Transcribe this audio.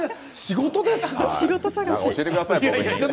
教えてください。